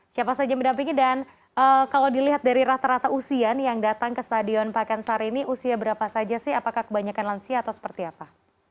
siapa saja mendampingi dan kalau dilihat dari rata rata usian yang datang ke stadion pakansari ini usia berapa saja sih apakah kebanyakan lansia atau seperti apa